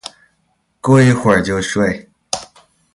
过一会就睡